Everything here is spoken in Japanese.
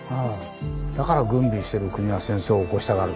だから軍備してる国は戦争を起こしたがる。